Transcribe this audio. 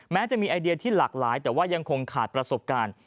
แม้จะมีไอเดียที่หลากหลายแต่ว่ายังคงขาดประสบการณ์